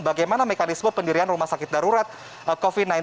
bagaimana mekanisme pendirian rumah sakit darurat covid sembilan belas